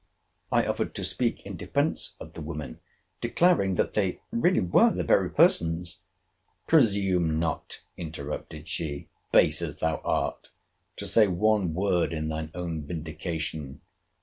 I offered to speak in defence of the women, declaring that they really were the very persons—— Presume not, interrupted she, base as thou art, to say one word in thine own vindication.